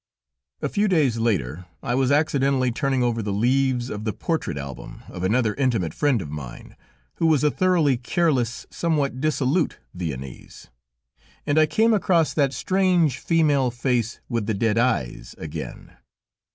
A few days later, I was accidentally turning over the leaves of the portrait album of another intimate friend of mine, who was a thoroughly careless, somewhat dissolute Viennese, and I came across that strange female face with the dead eyes again.